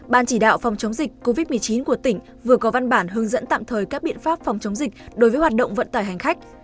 ban chỉ đạo phòng chống dịch covid một mươi chín của tỉnh vừa có văn bản hướng dẫn tạm thời các biện pháp phòng chống dịch đối với hoạt động vận tải hành khách